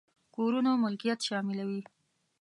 کورونو ملکيت شاملوي.